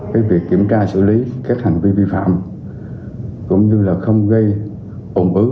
với việc kiểm tra xử lý các hành vi vi phạm cũng như là không gây ổn ứ